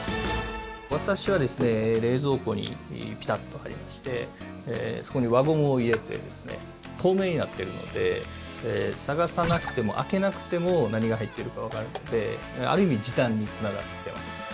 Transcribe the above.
私はですね冷蔵庫にピタッと貼りましてそこに輪ゴムを入れて透明になっているので探さなくても、開けなくても何が入っているかわかるのである意味時短につながってます。